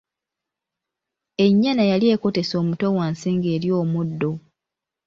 Ennyana yali ekotese omutwe wansi nga'erya omuddo.